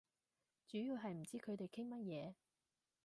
主要係唔知佢哋傾乜嘢